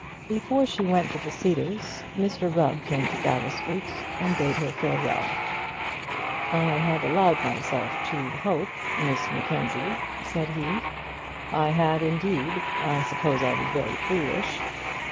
Before she went to the Cedars Mr Rubb came to Gower Street and bade her farewell. "I had allowed myself to hope, Miss Mackenzie," said he, "I had, indeed; I suppose I was very foolish."